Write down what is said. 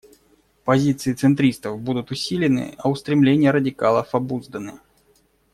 Позиции центристов будут усилены, а устремления радикалов — обузданы.